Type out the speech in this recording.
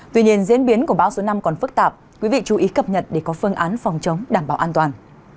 tuy nhiên diễn biến của bão số năm còn phức tạp quý vị chú ý cập nhật để có phương án phòng chống đảm bảo an toàn